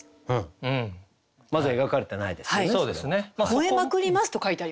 「吠えまくります」と書いてあります。